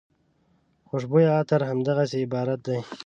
خوشبویه عطر همدغسې عبارت دی.